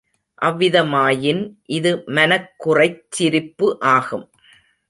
அவ்விதமாயின் இது மனக் குறைச் சிரிப்பு ஆகும்.